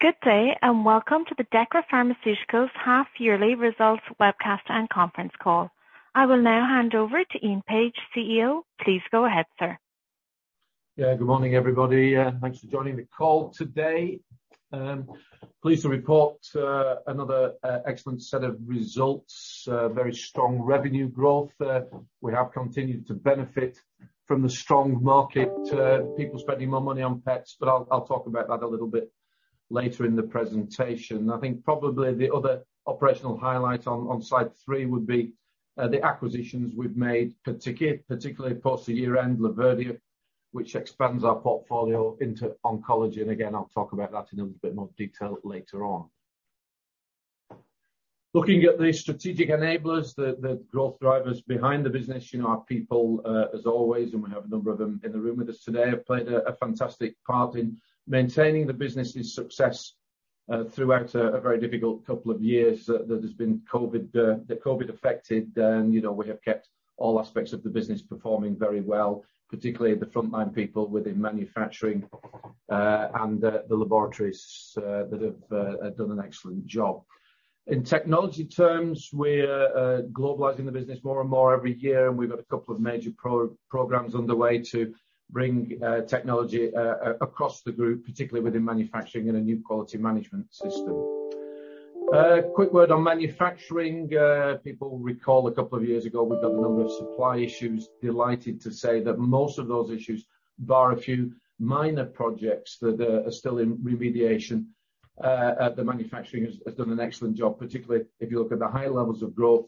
Good day, and welcome to the Dechra Pharmaceuticals half-yearly results webcast and conference call. I will now hand over to Ian Page, CEO. Please go ahead, sir. Yeah. Good morning, everybody. Thanks for joining the call today. Pleased to report another excellent set of results. Very strong revenue growth. We have continued to benefit from the strong market to people spending more money on pets, but I'll talk about that a little bit later in the presentation. I think probably the other operational highlight on slide three would be the acquisitions we've made, particularly post the year-end, Laverdia, which expands our portfolio into oncology. Again, I'll talk about that in a little bit more detail later on. Looking at the strategic enablers, the growth drivers behind the business, you know, our people, as always, and we have a number of them in the room with us today, have played a fantastic part in maintaining the business' success, throughout a very difficult couple of years that has been COVID that COVID affected. You know, we have kept all aspects of the business performing very well, particularly the frontline people within manufacturing, and the laboratories, that have done an excellent job. In technology terms, we're globalizing the business more and more every year, and we've got a couple of major programs underway to bring technology across the group, particularly within manufacturing and a new quality management system. Quick word on manufacturing. People will recall a couple of years ago we've got a number of supply issues. Delighted to say that most of those issues, bar a few minor projects that are still in remediation, the manufacturing has done an excellent job, particularly if you look at the high levels of growth,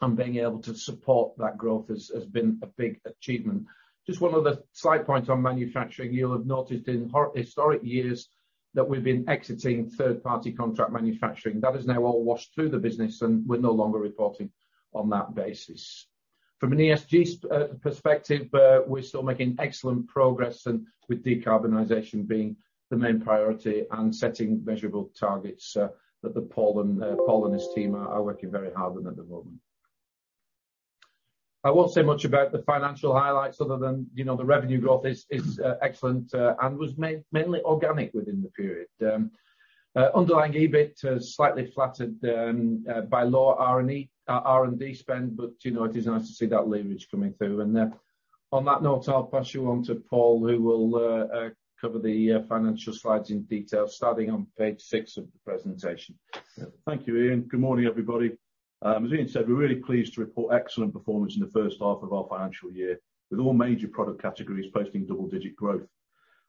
and being able to support that growth has been a big achievement. Just one other slide point on manufacturing. You'll have noticed in historic years that we've been exiting third party contract manufacturing. That is now all washed through the business, and we're no longer reporting on that basis. From an ESG perspective, we're still making excellent progress and with decarbonization being the main priority and setting measurable targets, that Paul and his team are working very hard on at the moment. I won't say much about the financial highlights other than, you know, the revenue growth is excellent and was mainly organic within the period. Underlying EBIT has slightly flattered by lower R&D spend, but, you know, it is nice to see that leverage coming through. On that note, I'll pass you on to Paul, who will cover the financial slides in detail, starting on page six of the presentation. Thank you, Ian. Good morning, everybody. As Ian said, we're really pleased to report excellent performance in the H1 of our financial year, with all major product categories posting double-digit growth.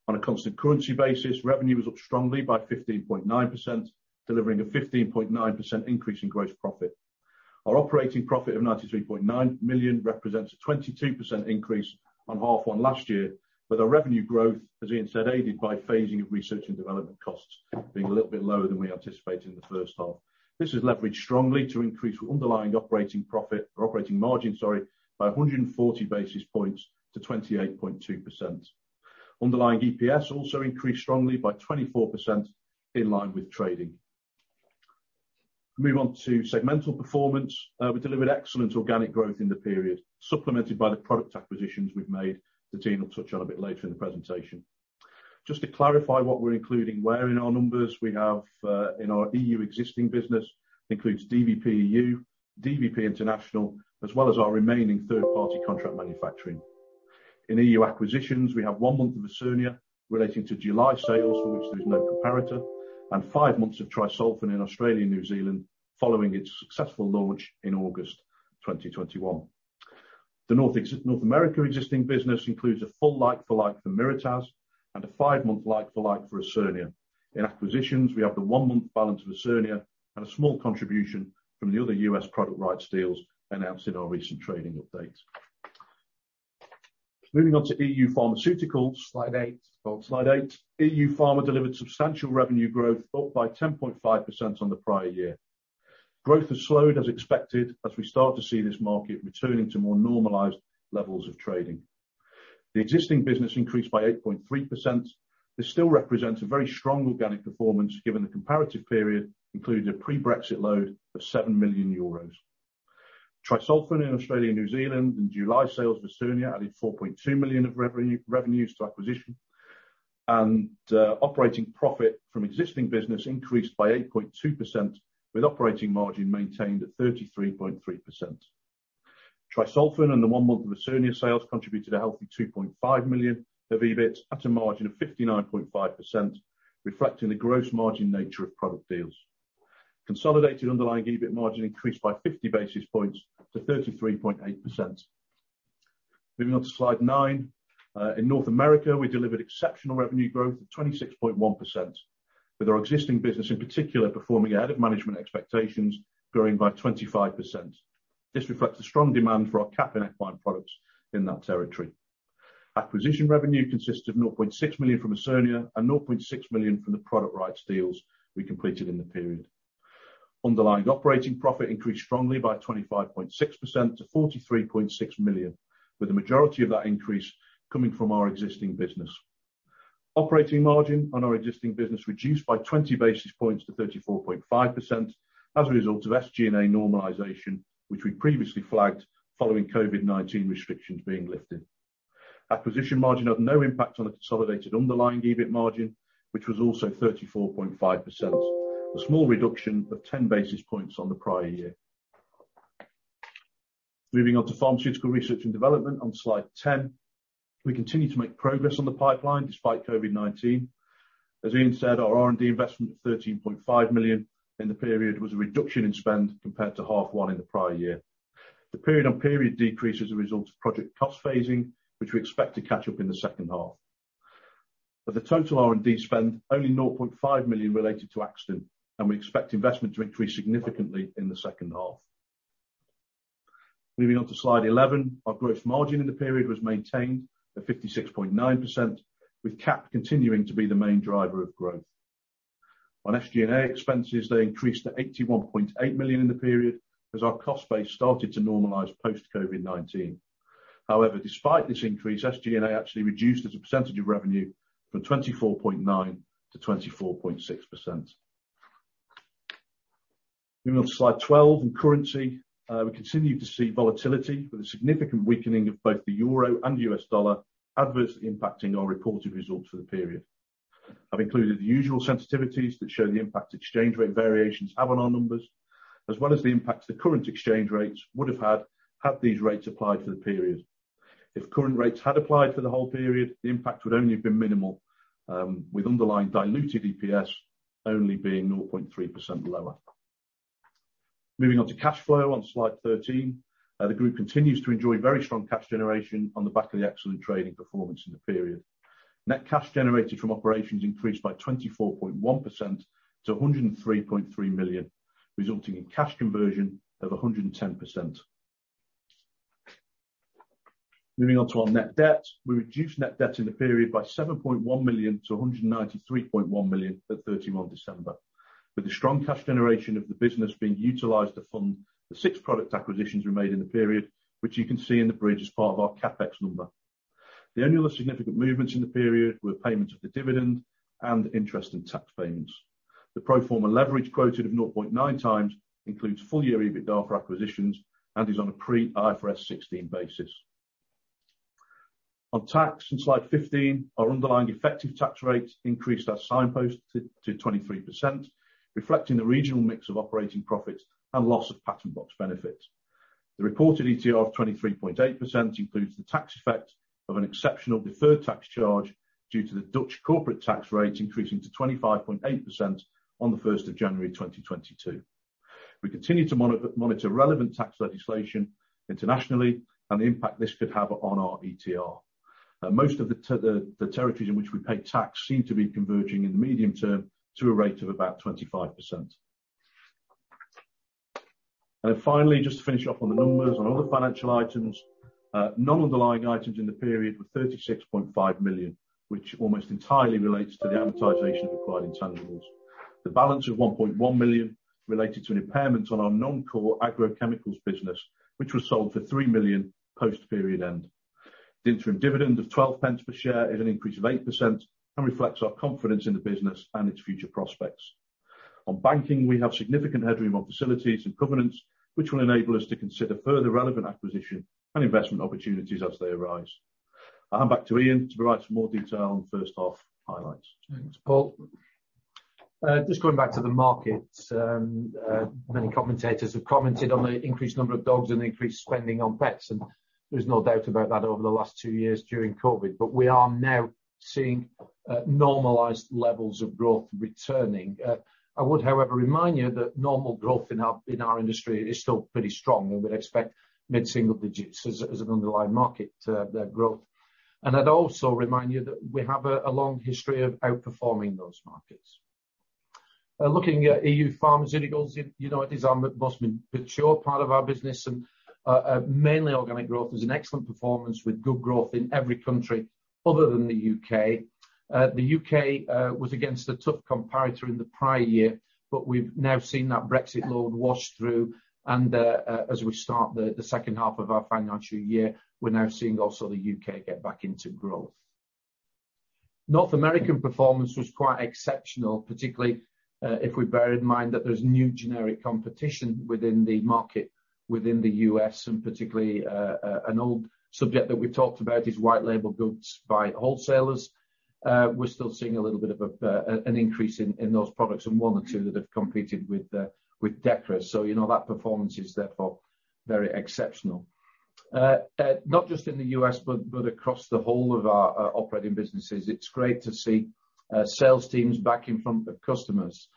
On a constant currency basis, revenue was up strongly by 15.9%, delivering a 15.9% increase in gross profit. Our operating profit of 93.9 million represents a 22% increase on half one last year, with our revenue growth, as Ian said, aided by phasing of research and development costs being a little bit lower than we anticipated in the H1. This is leveraged strongly to increase underlying operating profit, or operating margin, sorry, by 140 basis points to 28.2%. Underlying EPS also increased strongly by 24% in line with trading. Move on to segmental performance. We delivered excellent organic growth in the period, supplemented by the product acquisitions we've made, that Ian will touch on a bit later in the presentation. Just to clarify what we're including where in our numbers, we have in our EU existing business includes DVP EU, DVP International, as well as our remaining third-party contract manufacturing. In EU acquisitions, we have one month of Osurnia relating to July sales for which there's no comparator, and five months of Tri-Solfen in Australia and New Zealand following its successful launch in August 2021. North America existing business includes a full like-for-like for Mirataz and a five month like-for-like for Osurnia. In acquisitions, we have the one month balance of Osurnia and a small contribution from the other U.S. product rights deals announced in our recent trading update. Moving on to EU pharmaceuticals. Slide eight. Slide eight. EU Pharma delivered substantial revenue growth, up by 10.5% on the prior year. Growth has slowed as expected as we start to see this market returning to more normalized levels of trading. The existing business increased by 8.3%. This still represents a very strong organic performance given the comparative period included a pre-Brexit load of 7 million euros. Tri-Solfen in Australia and New Zealand, and July sales of Osurnia added 4.2 million of revenues from acquisition. Operating profit from existing business increased by 8.2%, with operating margin maintained at 33.3%. Tri-Solfen and the one month of Osurnia sales contributed a healthy 2.5 million of EBIT at a margin of 59.5%, reflecting the gross margin nature of product deals. Consolidated underlying EBIT margin increased by 50 basis points to 33.8%. Moving on to slide nine. In North America, we delivered exceptional revenue growth of 26.1%, with our existing business in particular performing ahead of management expectations, growing by 25%. This reflects a strong demand for our CAP products in that territory. Acquisition revenue consists of 0.6 million from Osurnia and 0.6 million from the product rights deals we completed in the period. Underlying operating profit increased strongly by 25.6% to 43.6 million, with the majority of that increase coming from our existing business. Operating margin on our existing business reduced by 20 basis points to 34.5% as a result of SG&A normalization, which we previously flagged following COVID-19 restrictions being lifted. Acquisition margin had no impact on the consolidated underlying EBIT margin, which was also 34.5%. A small reduction of 10 basis points on the prior year. Moving on to pharmaceutical research and development on slide 10. We continue to make progress on the pipeline despite COVID-19. As Ian said, our R&D investment of 13.5 million in the period was a reduction in spend compared to H1 in the prior year. The period-on-period decrease is the result of project cost phasing, which we expect to catch up in the H2. Of the total R&D spend, only 0.5 million related to Akston, and we expect investment to increase significantly in the H2. Moving on to slide 11. Our gross margin in the period was maintained at 56.9%, with CAP continuing to be the main driver of growth. On SG&A expenses, they increased to 81.8 million in the period as our cost base started to normalize post-COVID-19. However, despite this increase, SG&A actually reduced as a percentage of revenue from 24.9% to 24.6%. Moving on to slide 12, in currency, we continue to see volatility with a significant weakening of both the euro and US dollar adversely impacting our reported results for the period. I've included the usual sensitivities that show the impact exchange rate variations have on our numbers, as well as the impacts the current exchange rates would have had these rates applied for the period. If current rates had applied for the whole period, the impact would only have been minimal, with underlying diluted EPS only being 0.3% lower. Moving on to cash flow on slide 13. The group continues to enjoy very strong cash generation on the back of the excellent trading performance in the period. Net cash generated from operations increased by 24.1% to 103.3 million, resulting in cash conversion of 110%. Moving on to our net debt. We reduced net debt in the period by 7.1 million to 193.1 million at 31 December, with the strong cash generation of the business being utilized to fund the 6 product acquisitions we made in the period, which you can see in the bridge as part of our CapEx number. The only other significant movements in the period were payments of the dividend and interest and tax payments. The pro forma leverage quoted of 0.9x includes full year EBITDAR for acquisitions and is on a pre IFRS 16 basis. On tax, in slide 15, our underlying effective tax rates increased as signposted to 23%, reflecting the regional mix of operating profits and loss of patent box benefits. The reported ETR of 23.8% includes the tax effect of an exceptional deferred tax charge due to the Dutch corporate tax rates increasing to 25.8% on the first of January 2022. We continue to monitor relevant tax legislation internationally and the impact this could have on our ETR. Most of the territories in which we pay tax seem to be converging in the medium term to a rate of about 25%. Finally, just to finish off on the numbers, on other financial items, non-underlying items in the period were 36.5 million, which almost entirely relates to the amortization of acquired intangibles. The balance of 1.1 million related to an impairment on our non-core agrochemicals business, which was sold for 3 million post-period end. The interim dividend of 0.12 per share is an increase of 8% and reflects our confidence in the business and its future prospects. On banking, we have significant headroom on facilities and covenants, which will enable us to consider further relevant acquisition and investment opportunities as they arise. I hand back to Ian to provide some more detail on H1 highlights. Thanks, Paul. Just going back to the markets, many commentators have commented on the increased number of dogs and increased spending on pets, and there is no doubt about that over the last two years during COVID. We are now seeing normalized levels of growth returning. I would, however, remind you that normal growth in our industry is still pretty strong, and we'd expect mid-single digits as an underlying market growth. I'd also remind you that we have a long history of outperforming those markets. Looking at EU pharmaceuticals, you know it is our most mature part of our business, and mainly organic growth is an excellent performance with good growth in every country other than the U.K. The U.K. was against a tough comparator in the prior year, but we've now seen that Brexit load wash through, and as we start the H2 of our financial year, we're now seeing also the U.K. get back into growth. North American performance was quite exceptional, particularly if we bear in mind that there's new generic competition within the market within the U.S., and particularly an old subject that we've talked about is white label goods by wholesalers. We're still seeing a little bit of an increase in those products and one or two that have competed with Dechra. You know that performance is therefore very exceptional. Not just in the U.S., but across the whole of our operating businesses, it's great to see sales teams back in front of customers.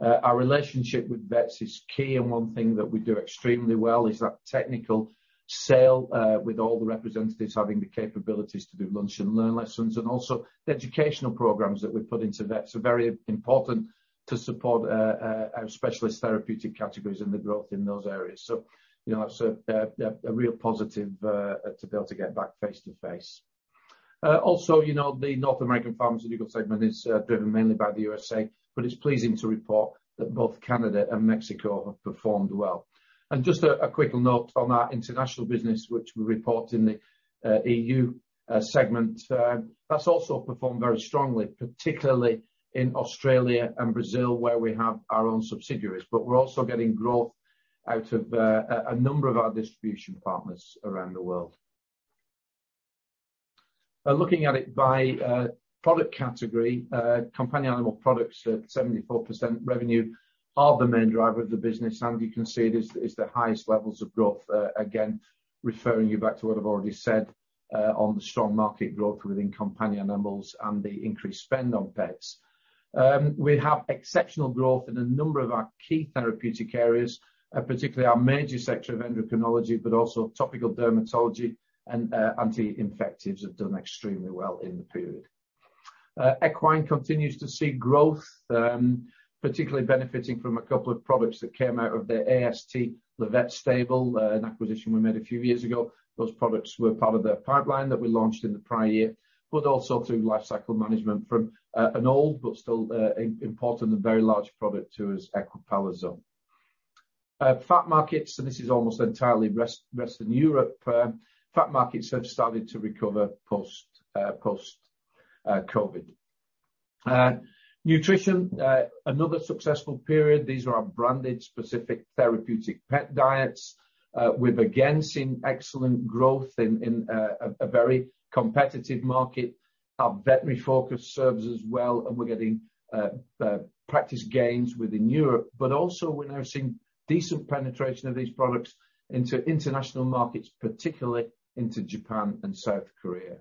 Our relationship with vets is key, and one thing that we do extremely well is that technical sale with all the representatives having the capabilities to do lunch and learn lessons and also the educational programs that we've put into vets are very important to support our specialist therapeutic categories and the growth in those areas. You know, that's a real positive to be able to get back face to face. Also, you know, the North American pharmaceutical segment is driven mainly by the U.S.A., but it's pleasing to report that both Canada and Mexico have performed well. Just a quick note on our international business, which we report in the EU segment. That's also performed very strongly, particularly in Australia and Brazil, where we have our own subsidiaries. We're also getting growth out of a number of our distribution partners around the world. Looking at it by product category, Companion Animal Products at 74% revenue are the main driver of the business, and you can see it is the highest levels of growth, again, referring you back to what I've already said, on the strong market growth within companion animals and the increased spend on vets. We have exceptional growth in a number of our key therapeutic areas, particularly our major sector of endocrinology, but also topical dermatology and anti-infectives have done extremely well in the period. Equine continues to see growth, particularly benefiting from a couple of products that came out of the AST Le Vet Stable, an acquisition we made a few years ago. Those products were part of their pipeline that we launched in the prior year, but also through life cycle management from an old but still important and very large product, which is Equipalazone. Vet markets, so this is almost entirely rest of Europe. Vet markets have started to recover post-COVID. Nutrition, another successful period. These are our branded specific therapeutic pet diets. We've again seen excellent growth in a very competitive market. Our veterinary focus serves us well, and we're getting practice gains within Europe, but also we're now seeing decent penetration of these products into international markets, particularly into Japan and South Korea.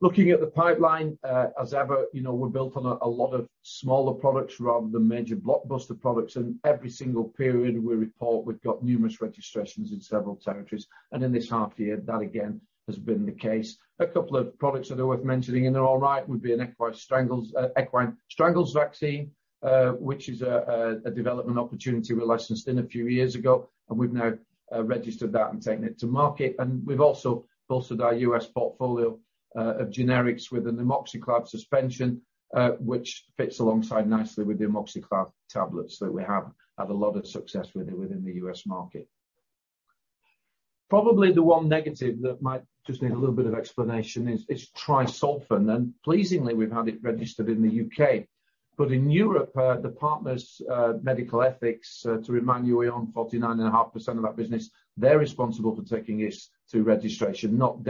Looking at the pipeline, as ever, you know, we're built on a lot of smaller products rather than major blockbuster products. In every single period we report, we've got numerous registrations in several territories. In this half year, that again has been the case. A couple of products that are worth mentioning, and they're all right, would be an equine strangles vaccine, which is a development opportunity we licensed in a few years ago, and we've now registered that and taken it to market. We've also bolstered our U.S. portfolio of generics with an amoxicillin suspension, which fits alongside nicely with the amoxicillin tablets that we have had a lot of success with within the U.S. market. Probably the one negative that might just need a little bit of explanation is Tri-Solfen, and pleasingly, we've had it registered in the U.K. In Europe, the partners, Medical Ethics, to remind you, we own 49.5% of that business, they're responsible for taking this to registration, not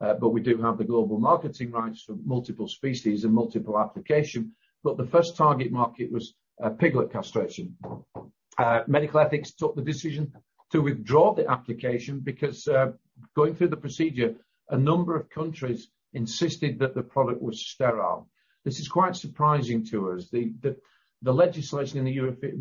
Dechra. We do have the global marketing rights for multiple species and multiple application, but the first target market was piglet castration. Medical Ethics took the decision to withdraw the application because, going through the procedure, a number of countries insisted that the product was sterile. This is quite surprising to us. The legislation in the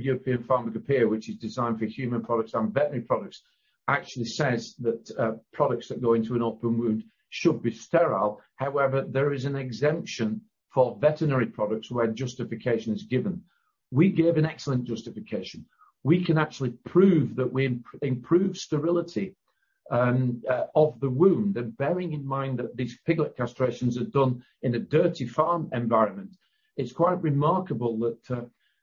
European Pharmacopoeia, which is designed for human products and veterinary products, actually says that products that go into an open wound should be sterile. However, there is an exemption for veterinary products where justification is given. We gave an excellent justification. We can actually prove that we improve sterility of the wound. Bearing in mind that these piglet castrations are done in a dirty farm environment, it's quite remarkable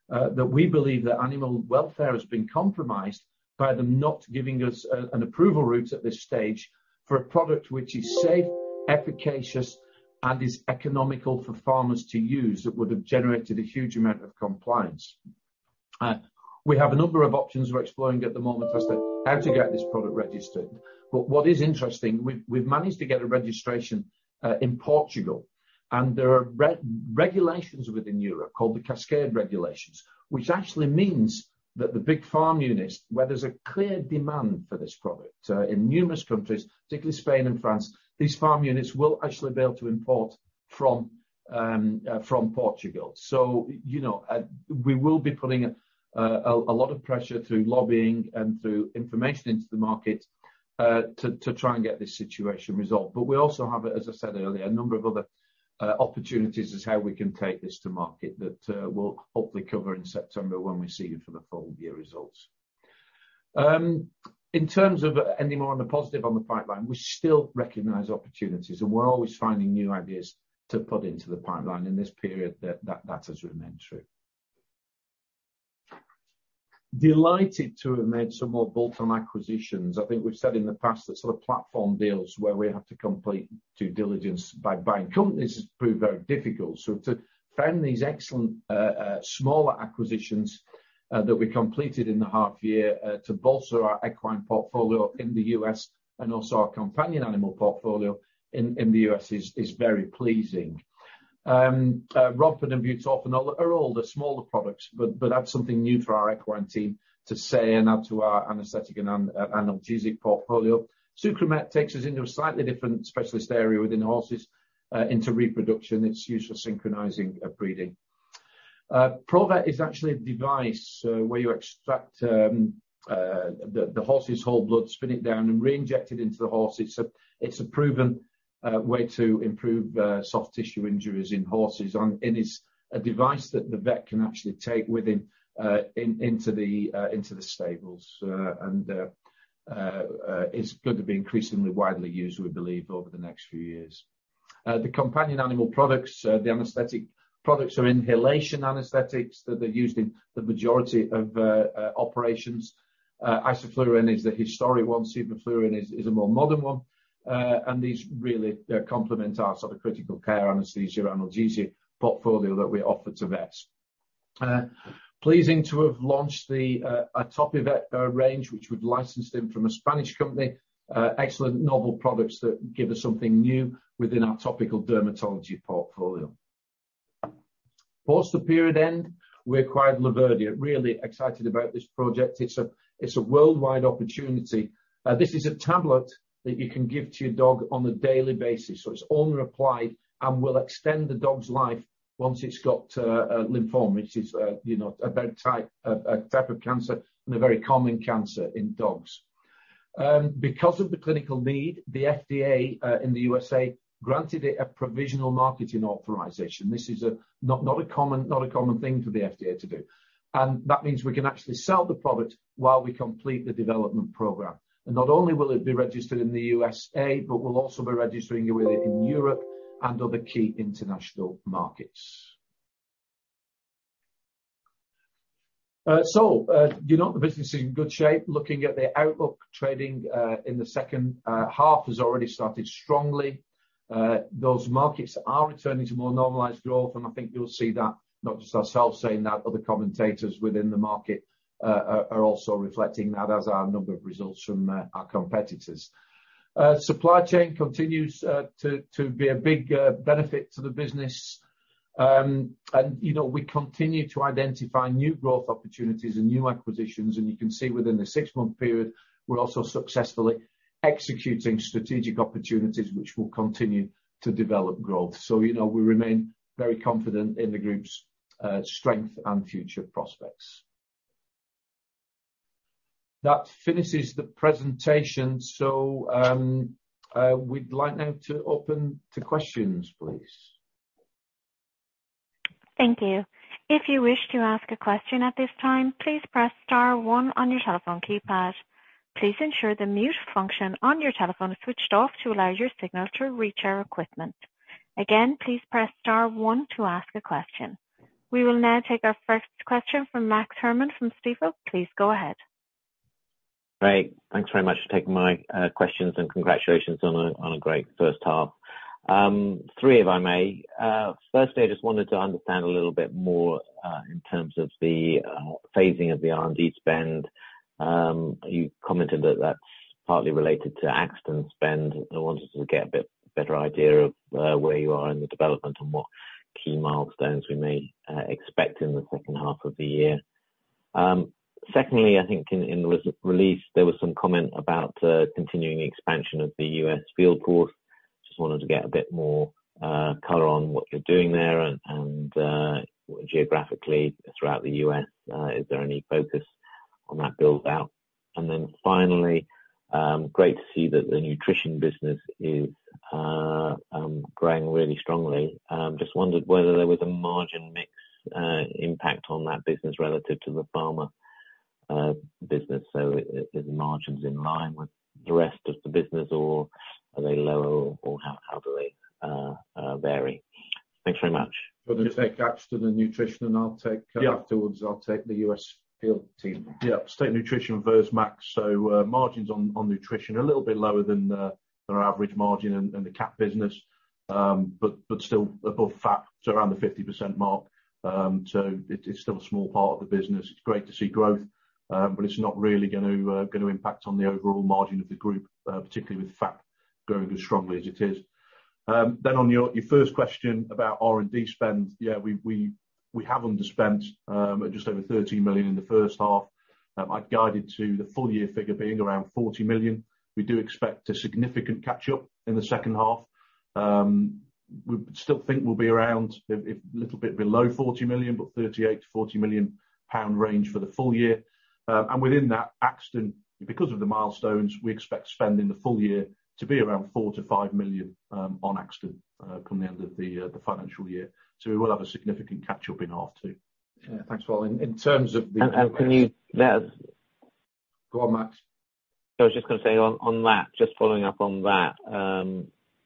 that we believe that animal welfare has been compromised by them not giving us an approval route at this stage for a product which is safe, efficacious, and is economical for farmers to use that would have generated a huge amount of compliance. We have a number of options we're exploring at the moment as to how to get this product registered. What is interesting, we've managed to get a registration in Portugal, and there are regulations within Europe called the Cascade Regulations, which actually means that the big farm units where there's a clear demand for this product in numerous countries, particularly Spain and France, these farm units will actually be able to import from Portugal. You know, we will be putting a lot of pressure through lobbying and through information into the market to try and get this situation resolved. We also have, as I said earlier, a number of other opportunities as to how we can take this to market that we'll hopefully cover in September when we see you for the full year results. In terms of any more on the positive on the pipeline, we still recognize opportunities, and we're always finding new ideas to put into the pipeline. In this period, that has remained true. Delighted to have made some more bolt-on acquisitions. I think we've said in the past that sort of platform deals where we have to complete due diligence by buying companies has proved very difficult. To find these excellent smaller acquisitions that we completed in the half year to bolster our equine portfolio in the U.S. and also our companion animal portfolio in the U.S. is very pleasing. Rompun and Butorphanol are all the smaller products, but add something new for our equine team to say and add to our anesthetic and analgesic portfolio. Sucromate takes us into a slightly different specialist area within horses, into reproduction. It's used for synchronizing breeding. Provet is actually a device, where you extract the horse's whole blood, spin it down, and reinject it into the horse. It's a proven way to improve soft tissue injuries in horses and is a device that the vet can actually take with him into the stables. It's going to be increasingly widely used, we believe, over the next few years. The companion animal products, the anesthetic products are inhalation anesthetics that they use in the majority of operations. Isoflurane is the historic one, sevoflurane is a more modern one. These really complement our sort of critical care anesthesia, analgesia portfolio that we offer to vets. Pleasing to have launched the Atopivet range, which we've licensed in from a Spanish company. Excellent novel products that give us something new within our topical dermatology portfolio. Post the period end, we acquired Laverdia. Really excited about this project. It's a worldwide opportunity. This is a tablet that you can give to your dog on a daily basis. So it's owner applied and will extend the dog's life once it's got lymphoma, which is, you know, a bad type, a type of cancer and a very common cancer in dogs. Because of the clinical need, the FDA in the USA granted it a conditional marketing authorization. This is a. Not a common thing for the FDA to do. That means we can actually sell the product while we complete the development program. Not only will it be registered in the U.S., but we'll also be registering it in Europe and other key international markets. You know, the business is in good shape. Looking at the outlook, trading in the H2 has already started strongly. Those markets are returning to more normalized growth, and I think you'll see that, not just ourselves saying that, other commentators within the market are also reflecting that, as are a number of results from our competitors. Supply chain continues to be a big benefit to the business. You know, we continue to identify new growth opportunities and new acquisitions. You can see within the six-month period, we're also successfully executing strategic opportunities, which will continue to develop growth. You know, we remain very confident in the group's strength and future prospects. That finishes the presentation. We'd like now to open to questions, please. Thank you. If you wish to ask a question at this time, please press star one on your telephone keypad. Please ensure the mute function on your telephone is switched off to allow your signal to reach our equipment. Again, please press star one to ask a question. We will now take our first question from Max Herrmann from Stifel. Please go ahead. Great. Thanks very much for taking my questions, and congratulations on a great H1. Three, if I may. Firstly, I just wanted to understand a little bit more in terms of the phasing of the R&D spend. You commented that that's partly related to Akston spend. I wanted to get a bit better idea of where you are in the development and what key milestones we may expect in the H2 of the year. Secondly, I think in the release, there was some comment about the continuing expansion of the U.S. field force. Just wanted to get a bit more color on what you're doing there and geographically throughout the U.S. Is there any focus on that build-out? Finally, great to see that the nutrition business is growing really strongly. Just wondered whether there was a margin mix impact on that business relative to the pharma business. Is margins in line with the rest of the business, or are they lower or how do they vary? Thanks very much. Do you want to take Akston and nutrition, and I'll take. Yeah. Afterwards, I'll take the US field team. Yeah. Take nutrition first, Max. Margins on nutrition are a little bit lower than our average margin in the CAP business. Still above CAP, so around the 50% mark. It's still a small part of the business. It's great to see growth, but it's not really going to impact on the overall margin of the group, particularly with CAP growing as strongly as it is. On your first question about R&D spend, yeah, we have underspent at just over 13 million in the H1. I'd guided to the full year figure being around 40 million. We do expect a significant catch-up in the H2. We still think we'll be around a little bit below 40 million, but 38 million-40 million pound range for the full year. Within that, Akston, because of the milestones, we expect spend in the full year to be around 4 million-5 million on Akston come the end of the financial year. We will have a significant catch-up in half two. Yeah. Thanks. In terms of the. Go on, Max. I was just going to say on that, just following up on that,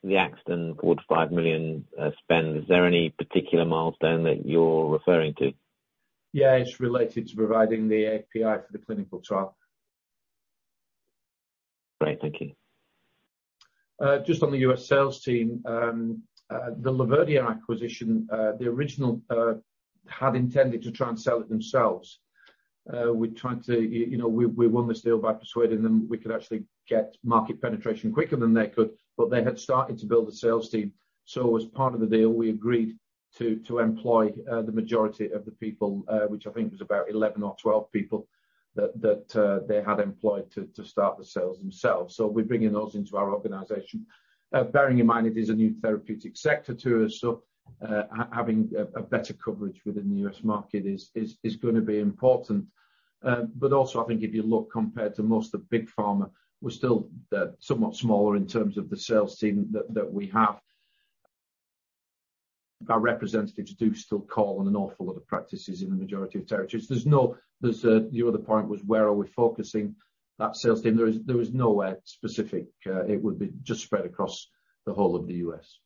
the Akston 4 million-5 million spend, is there any particular milestone that you're referring to? Yeah. It's related to providing the API for the clinical trial. Great. Thank you. Just on the U.S. sales team, the Laverdia acquisition, the original had intended to try and sell it themselves. You know, we won this deal by persuading them we could actually get market penetration quicker than they could, but they had started to build a sales team. As part of the deal, we agreed to employ the majority of the people, which I think was about 11 or 12 people that they had employed to start the sales themselves. We're bringing those into our organization. Bearing in mind it is a new therapeutic sector to us, having a better coverage within the U.S. market is going to be important. I think if you look, compared to most of Big Pharma, we're still somewhat smaller in terms of the sales team that we have. Our representatives do still call on an awful lot of practices in the majority of territories. The other point was, where are we focusing that sales team? There is nowhere specific. It would be just spread across the whole of the U.S.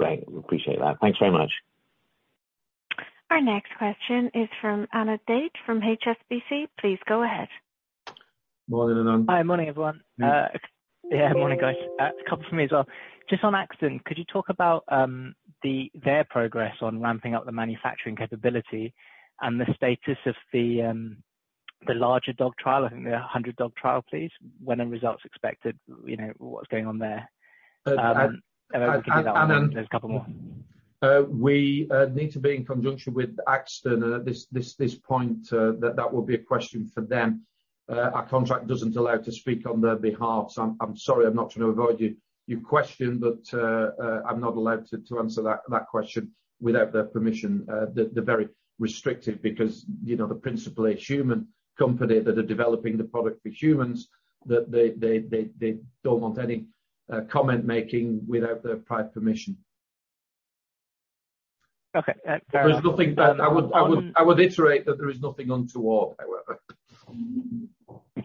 Great. Appreciate that. Thanks very much. Our next question is from Anand Date from HSBC. Please go ahead. Morning, Anand. Hi, morning, everyone. Yeah, morning, guys. A couple for me as well. Just on Akston, could you talk about their progress on ramping up the manufacturing capability and the status of the larger dog trial, I think the 100-dog trial, please, when are results expected, you know, what's going on there? And over to you, Ian, there's a couple more. We need to be in conjunction with Akston. At this point, that will be a question for them. Our contract doesn't allow to speak on their behalf, so I'm sorry, I'm not trying to avoid your question, but I'm not allowed to answer that question without their permission. They're very restrictive because, you know, the principal is human company that are developing the product for humans, that they don't want any comment making without their prior permission. Okay. There is nothing. I would iterate that there is nothing untoward, however.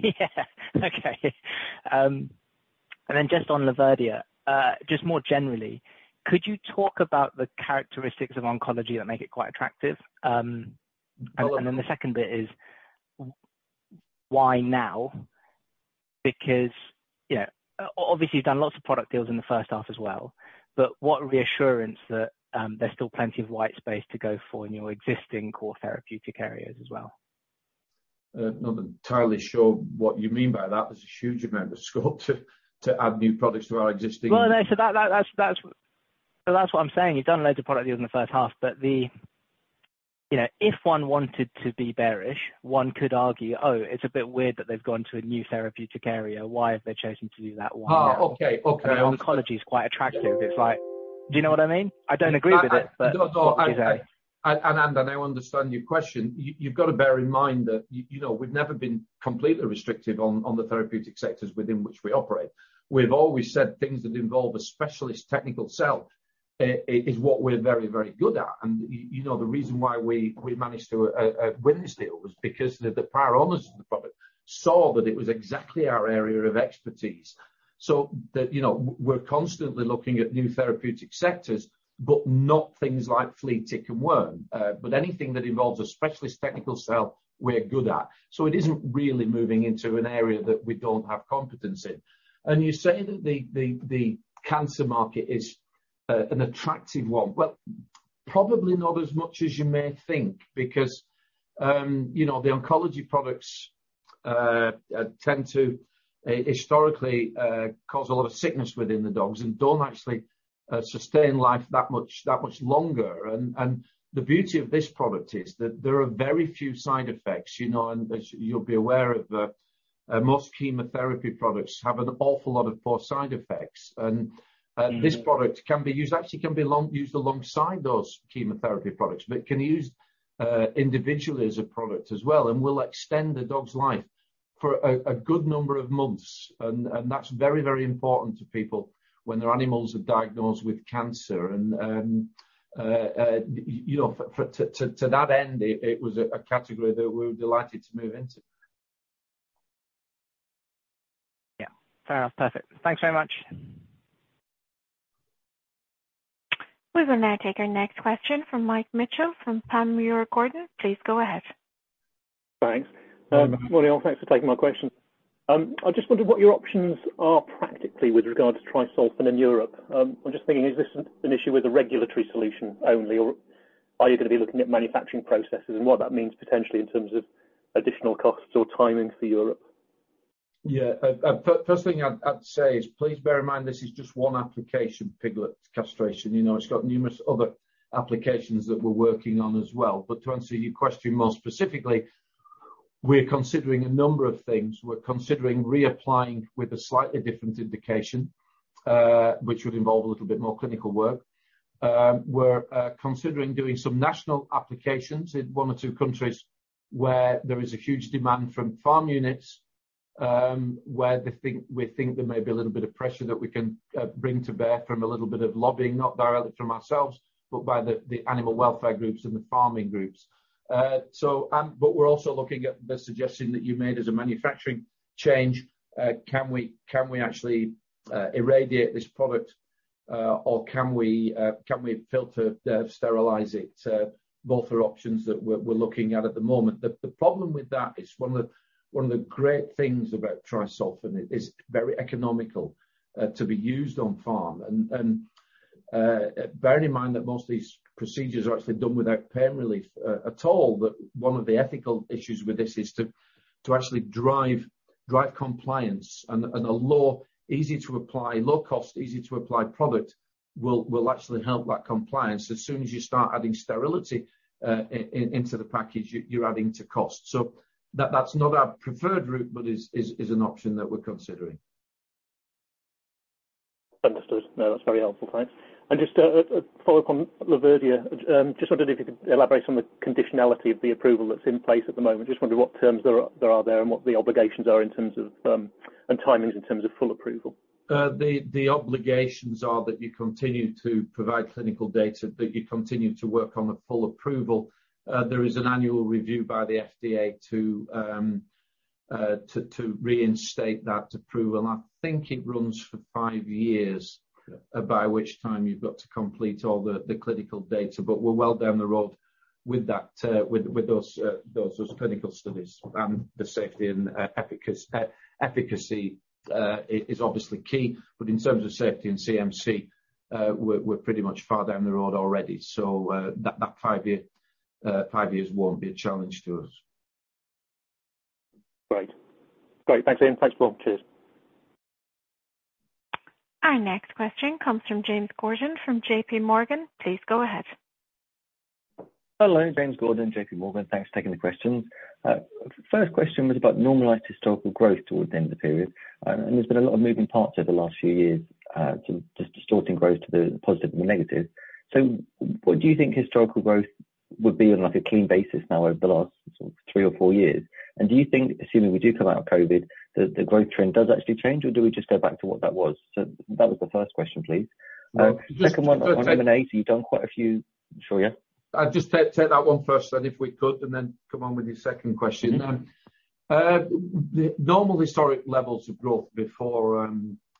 Yeah. Okay. Just on Laverdia, just more generally, could you talk about the characteristics of oncology that make it quite attractive? Then the second bit is why now? Because, you know, obviously you've done lots of product deals in the H1 as well, but what reassurance that there's still plenty of white space to go for in your existing core therapeutic areas as well? I'm not entirely sure what you mean by that. There's a huge amount of scope to add new products to our existing. Well, no. That's what I'm saying. You've done loads of product deals in the H1, but you know, if one wanted to be bearish, one could argue, "Oh, it's a bit weird that they've gone to a new therapeutic area. Why have they chosen to do that? Why now?" Oh, okay. Okay. I mean, oncology is quite attractive. It's like, do you know what I mean? I don't agree with it, but. No, no. Okay. Anand, I understand your question. You've got to bear in mind that, you know, we've never been completely restrictive on the therapeutic sectors within which we operate. We've always said things that involve a specialist technical sell is what we're very, very good at. You know, the reason why we managed to win this deal was because the prior owners of the product saw that it was exactly our area of expertise. You know, we're constantly looking at new therapeutic sectors, but not things like flea, tick and worm. But anything that involves a specialist technical sell, we're good at. It isn't really moving into an area that we don't have competence in. You say that the cancer market is an attractive one. Well, probably not as much as you may think, because you know, the oncology products tend to historically cause a lot of sickness within the dogs and don't actually sustain life that much longer. The beauty of this product is that there are very few side effects, you know. As you'll be aware of that, most chemotherapy products have an awful lot of poor side effects. Mm-hmm. This product can be used alongside those chemotherapy products, but can be used individually as a product as well and will extend the dog's life for a good number of months. That's very important to people when their animals are diagnosed with cancer. You know, to that end, it was a category that we were delighted to move into. Yeah. Fair enough. Perfect. Thanks very much. We will now take our next question from Mike Mitchell from Panmure Gordon. Please go ahead. Thanks. Mm-hmm. Morning, all. Thanks for taking my question. I just wondered what your options are practically with regard to Tri-Solfen in Europe. I'm just thinking, is this an issue with a regulatory solution only, or are you going to be looking at manufacturing processes and what that means potentially in terms of additional costs or timing for Europe? Yeah. First thing I'd say is please bear in mind this is just one application, piglets castration. You know, it's got numerous other applications that we're working on as well. To answer your question more specifically, we're considering a number of things. We're considering reapplying with a slightly different indication, which would involve a little bit more clinical work. We're considering doing some national applications in one or two countries where there is a huge demand from farm units, where we think there may be a little bit of pressure that we can bring to bear from a little bit of lobbying, not directly from ourselves, but by the animal welfare groups and the farming groups. We're also looking at the suggestion that you made as a manufacturing change. Can we actually irradiate this product, or can we filter sterilize it? Both are options that we're looking at at the moment. The problem with that is one of the great things about Tri-Solfen is very economical to be used on farm. Bearing in mind that most of these procedures are actually done without pain relief at all, one of the ethical issues with this is to actually drive compliance and a low, easy to apply, low cost, easy to apply product will actually help that compliance. As soon as you start adding sterility into the package, you're adding to cost. That's not our preferred route, but is an option that we're considering. Understood. No, that's very helpful. Thanks. Just a follow-up on Laverdia. Just wondered if you could elaborate on the conditionality of the approval that's in place at the moment. Just wondering what terms there are and what the obligations are in terms of and timings in terms of full approval. The obligations are that you continue to provide clinical data, that you continue to work on the full approval. There is an annual review by the FDA to reinstate that approval. I think it runs for five years, by which time you've got to complete all the clinical data. We're well down the road with that, with those clinical studies. The safety and efficacy is obviously key. In terms of safety and CMC, we're pretty much far down the road already. That five years won't be a challenge to us. Great. Thanks, Ian. Thanks, Paul. Cheers. Our next question comes from James Gordon from JPMorgan. Please go ahead. Hello. James Gordon, JPMorgan. Thanks for taking the question. First question was about normalized historical growth towards the end of the period. There's been a lot of moving parts over the last few years, sort of just distorting growth to the positive and the negative. What do you think historical growth would be on, like, a clean basis now over the last three or four years? And do you think, assuming we do come out of COVID, that the growth trend does actually change, or do we just go back to what that was? That was the first question, please. Just one sec. Second one on M&A, you've done quite a few for you. Sorry, yeah? I'll just take that one first, then if we could, and then come on with your second question. Mm-hmm. The normal historic levels of growth before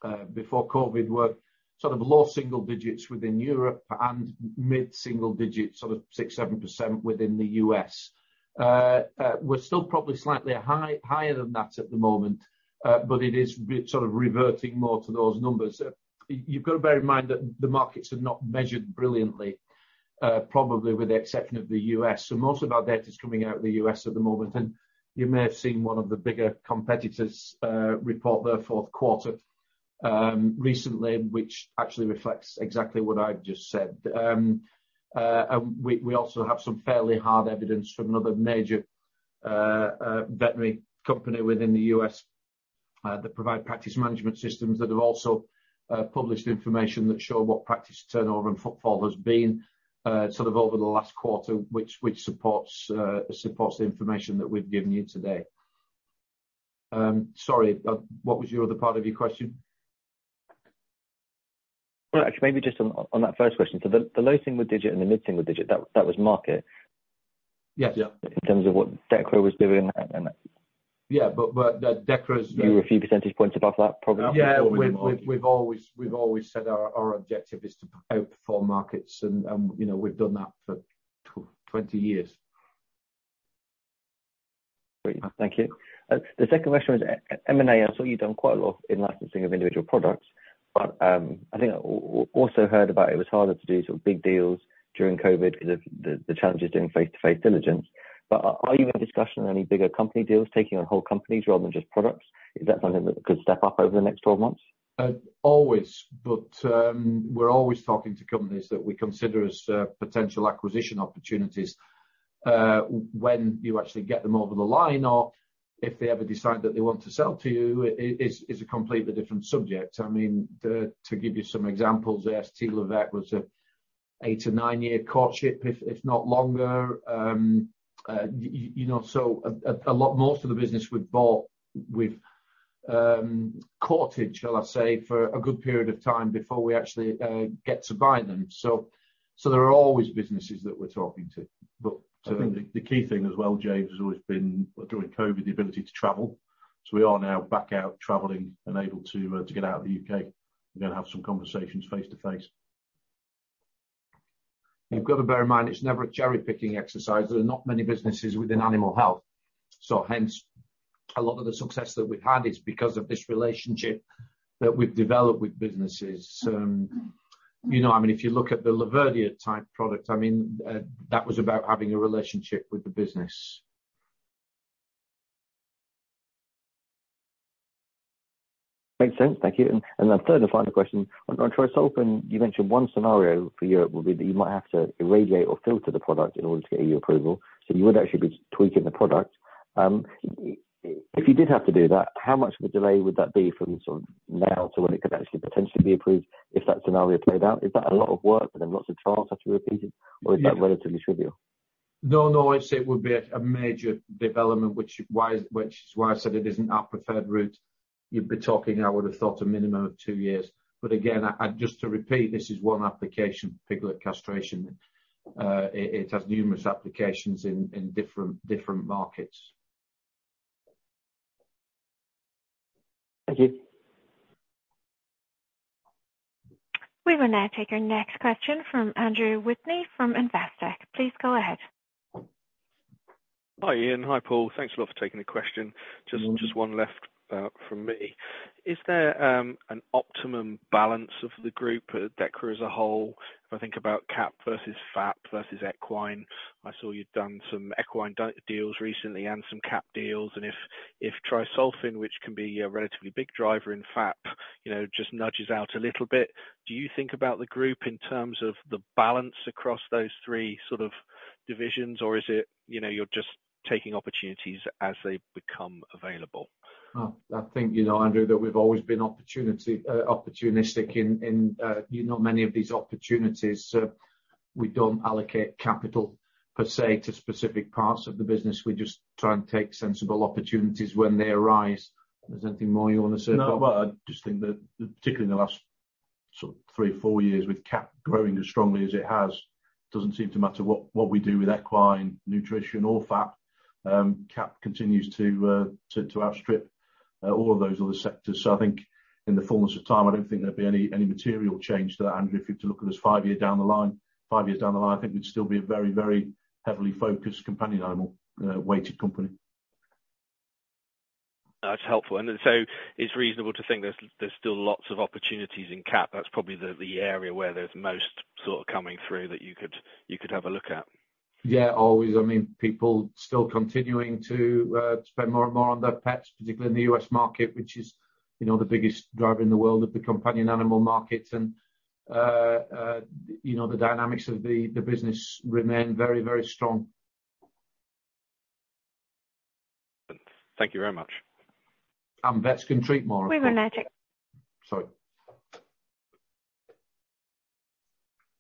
COVID were sort of low single digits within Europe and mid-single digits, sort of 6%-7% within the U.S. We're still probably slightly higher than that at the moment, but it is reverting more to those numbers. You've got to bear in mind that the markets are not measured brilliantly, probably with the exception of the U.S. Most of our data is coming out of the U.S. at the moment, and you may have seen one of the bigger competitors report their fourth quarter recently, which actually reflects exactly what I've just said. We also have some fairly hard evidence from another major veterinary company within the US that provides practice management systems that have also published information that show what practice turnover and footfall has been sort of over the last quarter, which supports the information that we've given you today. Sorry, what was your other part of your question? Well, actually, maybe just on that first question. The low single digit and the mid single digit, that was market. Yes. Yeah. In terms of what Dechra was doing. Yeah, Dechra's. You were a few percentage points above that, probably. Yeah. Outperforming the market. We've always said our objective is to outperform markets and, you know, we've done that for 20 years. Great. Thank you. The second question was M&A. I saw you've done quite a lot in licensing of individual products. I think I also heard about it was harder to do sort of big deals during COVID because of the challenges doing face-to-face diligence. Are you in discussion on any bigger company deals, taking on whole companies rather than just products? Is that something that could step up over the next 12 months? We're always talking to companies that we consider as potential acquisition opportunities. When you actually get them over the line or if they ever decide that they want to sell to you is a completely different subject. I mean, to give you some examples, AST Le Vet was a eight to nine year courtship, if not longer. You know, a lot more of the business we've bought we've courted, shall I say, for a good period of time before we actually get to buy them. There are always businesses that we're talking to. I think the key thing as well, James, has always been during COVID the ability to travel. We are now back out traveling and able to get out of the U.K. and going to have some conversations face-to-face. You've got to bear in mind, it's never a cherry-picking exercise. There are not many businesses within animal health, so hence a lot of the success that we've had is because of this relationship that we've developed with businesses. You know, I mean, if you look at the Laverdia-CA1 type product, I mean, that was about having a relationship with the business. Makes sense. Thank you. Third and final question. On Tri-Solfen, you mentioned one scenario for Europe would be that you might have to irradiate or filter the product in order to get EU approval, so you would actually be tweaking the product. If you did have to do that, how much of a delay would that be from sort of now to when it could actually potentially be approved if that scenario played out? Is that a lot of work and then lots of trials have to be repeated? Yeah. Is that relatively trivial? No. I'd say it would be a major development, which is why I said it isn't our preferred route. You'd be talking, I would've thought, a minimum of two years. Again, just to repeat, this is one application, piglet castration. It has numerous applications in different markets. Thank you. We will now take our next question from Andrew Whitney from Investec. Please go ahead. Hi, Ian. Hi, Paul. Thanks a lot for taking the question. Mm-hmm. Just one left from me. Is there an optimum balance of the group at Dechra as a whole? If I think about CAP versus FAP versus equine, I saw you'd done some equine deals recently and some CAP deals. If Tri-Solfen, which can be a relatively big driver in FAP, you know, just nudges out a little bit, do you think about the group in terms of the balance across those three sort of divisions? Or is it, you know, you're just taking opportunities as they become available? Well, I think you know, Andrew, that we've always been opportunistic in you know, many of these opportunities. We don't allocate capital per se to specific parts of the business. We just try and take sensible opportunities when they arise. Is there anything more you want to say, Paul? No, I just think that particularly in the last sort of three or four years with CAP growing as strongly as it has, it doesn't seem to matter what we do with equine, nutrition or FAP. CAP continues to outstrip all of those other sectors. I think in the fullness of time, I don't think there'd be any material change to that, Andrew. If you have to look at us five years down the line, I think we'd still be a very, very heavily focused companion animal weighted company. That's helpful. It's reasonable to think there's still lots of opportunities in CAP. That's probably the area where there's most sort of coming through that you could have a look at. Yeah, always. I mean, people still continuing to spend more and more on their pets, particularly in the U.S. market, which is, you know, the biggest driver in the world of the companion animal market. You know, the dynamics of the business remain very, very strong. Thank you very much. Vets can treat more. We will now take. Sorry.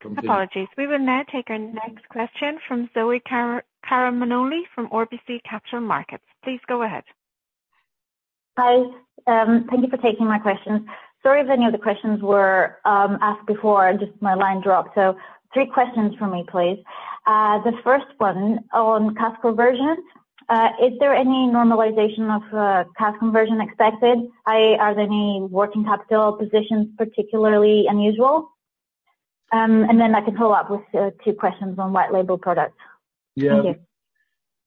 Continue. Apologies. We will now take our next question from Zoe Karamanoli from RBC Capital Markets. Please go ahead. Hi. Thank you for taking my questions. Sorry if any of the questions were asked before. Just my line dropped. Three questions from me, please. The first one on cash conversion. Is there any normalization of cash conversion expected? Are there any working capital positions particularly unusual? I can follow up with two questions on white label products. Yeah. Thank you.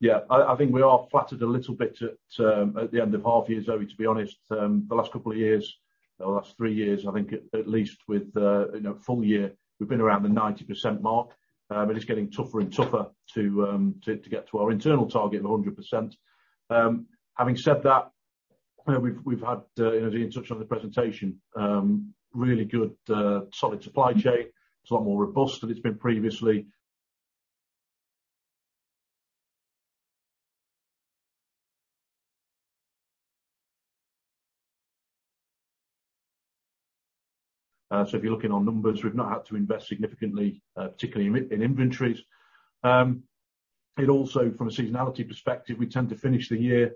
Yeah. I think we are flattered a little bit at the end of half year, Zoe, to be honest. The last couple of years or last three years, I think at least with you know, full year, we've been around the 90% mark. It's getting tougher and tougher to get to our internal target of 100%. Having said that, you know, we've had you know, as Ian touched on in the presentation, really good solid supply chain. It's a lot more robust than it's been previously. If you're looking at our numbers, we've not had to invest significantly, particularly in inventories. It also, from a seasonality perspective, we tend to finish the year.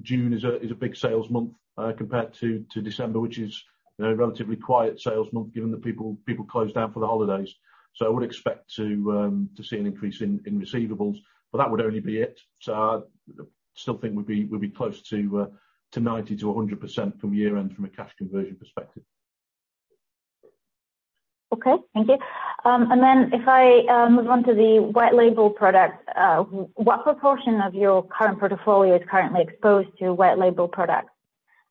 June is a big sales month compared to December, which is, you know, relatively quiet sales month given that people close down for the holidays. I would expect to see an increase in receivables, but that would only be it. I still think we'd be close to 90%-100% from year end from a cash conversion perspective. Okay. Thank you. If I move on to the white label products, what proportion of your current portfolio is currently exposed to white label products?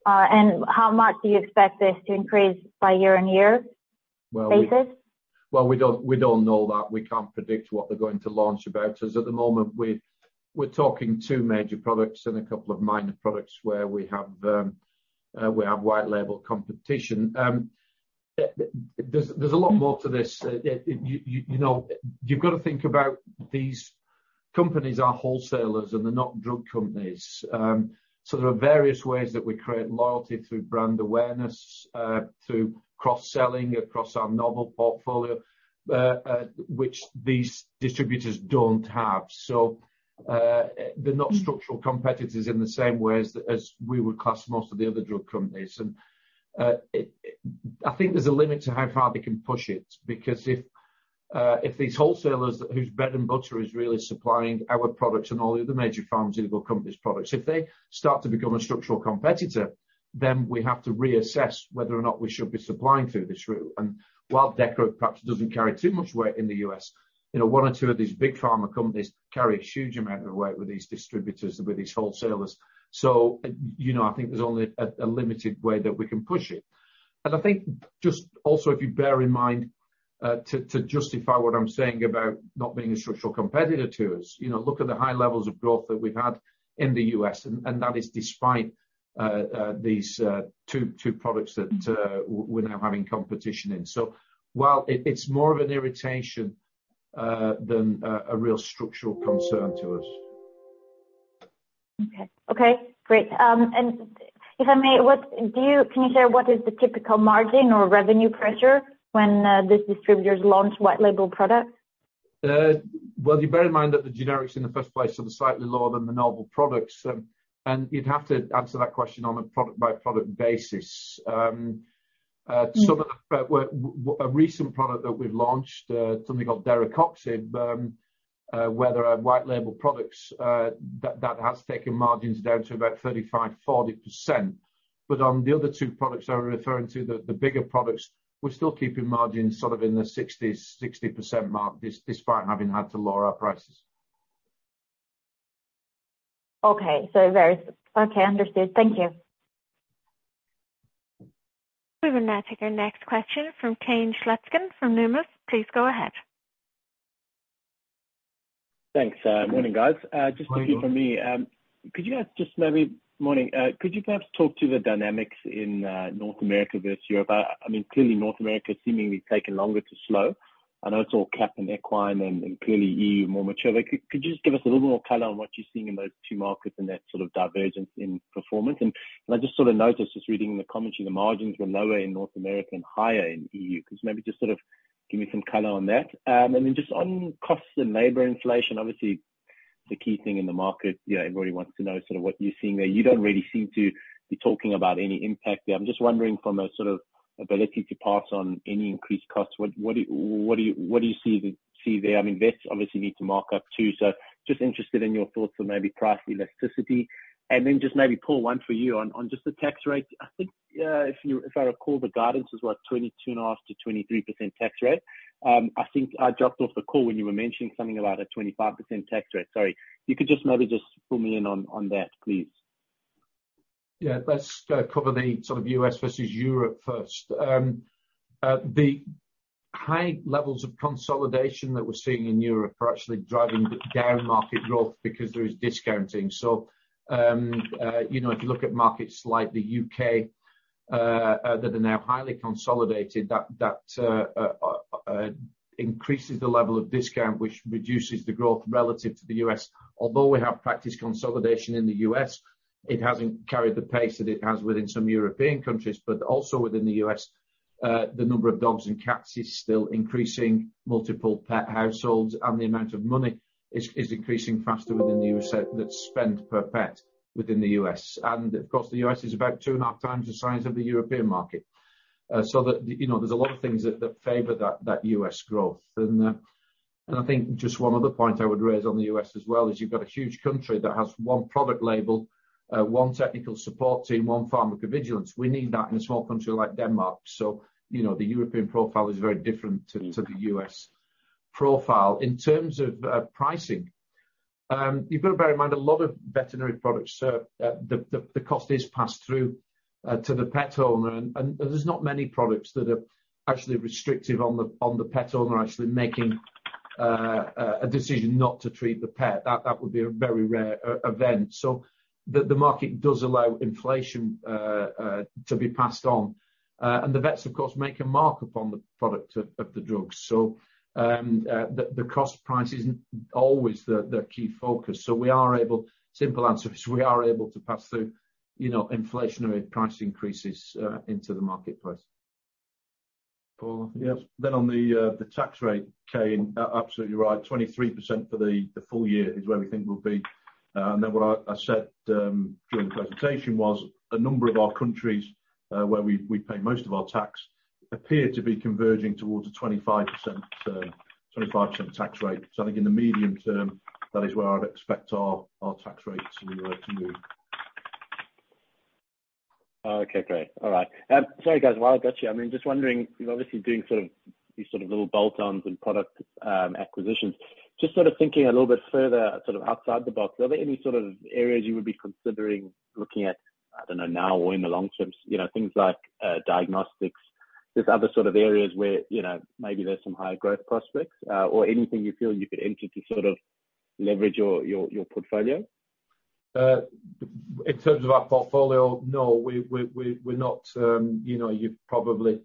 And how much do you expect this to increase by year on year? Well, Basis? Well, we don't know that. We can't predict what they're going to launch about us. At the moment, we're talking two major products and a couple of minor products where we have white label competition. There's a lot more to this. You know, you've got to think about these companies are wholesalers and they're not drug companies. There are various ways that we create loyalty through brand awareness, through cross-selling across our novel portfolio, which these distributors don't have. They're not structural competitors in the same way as we would class most of the other drug companies. I think there's a limit to how far they can push it, because if these wholesalers whose bread and butter is really supplying our products and all the other major pharmaceutical companies' products, if they start to become a structural competitor, then we have to reassess whether or not we should be supplying through this route. While Dechra perhaps doesn't carry too much weight in the U.S., you know, one or two of these Big Pharma companies carry a huge amount of weight with these distributors, with these wholesalers. You know, I think there's only a limited way that we can push it. I think just also if you bear in mind to justify what I'm saying about not being a structural competitor to us, you know, look at the high levels of growth that we've had in the U.S., and that is despite these two products that we're now having competition in. While it's more of an irritation than a real structural concern to us. Okay, great. If I may, can you share what is the typical margin or revenue pressure when these distributors launch white label products? Well, you bear in mind that the generics in the first place are slightly lower than the novel products. You'd have to answer that question on a product by product basis. Mm. The recent product that we've launched, something called deracoxib, where there are white label products that has taken margins down to about 35%-40%. On the other two products that we're referring to, the bigger products, we're still keeping margins sort of in the 60s, 60% mark, despite having had to lower our prices. Okay, understood. Thank you. We will now take our next question from Kane Slutzkin from Numis. Please go ahead. Thanks. Morning, guys. Just two from me. Morning. Morning. Could you perhaps talk to the dynamics in North America versus Europe? I mean, clearly North America seemingly taken longer to slow. I know it's all CAP and equine, and clearly EU more mature. Could you just give us a little more color on what you're seeing in those two markets and that sort of divergence in performance? And I just sort of noticed, just reading in the commentary, the margins were lower in North America and higher in EU. Could you maybe just sort of give me some color on that? And then just on costs and labor inflation, obviously. The key thing in the market, you know, everybody wants to know sort of what you're seeing there. You don't really seem to be talking about any impact there. I'm just wondering from a sort of ability to pass on any increased costs, what do you see there? I mean, vets obviously need to mark up too. Just interested in your thoughts on maybe price elasticity. Just maybe, Paul, one for you on just the tax rate. I think if I recall, the guidance is 22.5%-23% tax rate. I think I dropped off the call when you were mentioning something about a 25% tax rate. Sorry, you could just maybe fill me in on that, please. Yeah. Let's cover the sort of U.S. versus Europe first. The high levels of consolidation that we're seeing in Europe are actually driving down market growth because there is discounting. You know, if you look at markets like the U.K. that are now highly consolidated, that increases the level of discount, which reduces the growth relative to the U.S. Although we have seen consolidation in the U.S., it hasn't carried the pace that it has within some European countries. Also within the U.S., the number of dogs and cats is still increasing, multiple pet households, and the amount of money is increasing faster within the U.S. that's spent per pet within the U.S. Of course, the U.S. is about 2.5x the size of the European market. That, you know, there's a lot of things that favor that U.S. growth. I think just one other point I would raise on the U.S. as well is you've got a huge country that has one product label, one technical support team, one pharmacovigilance. We need that in a small country like Denmark. You know, the European profile is very different to the U.S. profile. In terms of pricing, you've got to bear in mind a lot of veterinary products, the cost is passed through to the pet owner. There's not many products that are actually restrictive on the pet owner actually making a decision not to treat the pet. That would be a very rare event. The market does allow inflation to be passed on. The vets, of course, make a markup on the product of the drugs. The cost price isn't always the key focus. Simple answer is, we are able to pass through, you know, inflationary price increases into the marketplace. Paul. Yes. On the tax rate, Kane, you're absolutely right. 23% for the full year is where we think we'll be. What I said during the presentation was a number of our countries where we pay most of our tax appear to be converging towards a 25% tax rate. I think in the medium term, that is where I'd expect our tax rates in Europe to move. Okay, great. All right. Sorry guys, while I've got you. I mean, just wondering, you're obviously doing sort of these sort of little bolt-ons and product acquisitions. Just sort of thinking a little bit further, sort of outside the box, are there any sort of areas you would be considering looking at, I don't know, now or in the long term? You know, things like diagnostics. There's other sort of areas where, you know, maybe there's some higher growth prospects, or anything you feel you could enter to sort of leverage your portfolio? In terms of our portfolio, no, we're not, you know, you've probably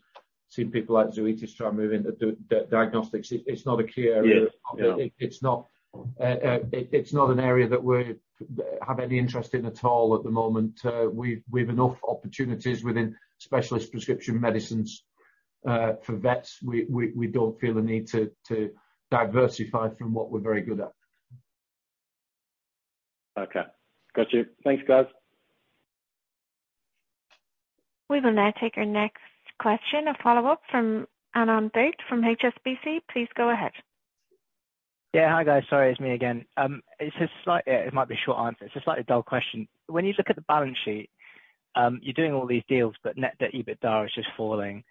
seen people like Zoetis try and move into diagnostics. It's not a key area. Yeah. Yeah. It's not an area that we have any interest in at all at the moment. We've enough opportunities within specialist prescription medicines for vets. We don't feel the need to diversify from what we're very good at. Okay. Got you. Thanks, guys. We will now take our next question, a follow-up from Anand Date from HSBC. Please go ahead. Yeah. Hi, guys. Sorry, it's me again. It's a slightly dull question. When you look at the balance sheet, you're doing all these deals, but net debt EBITDA is just falling.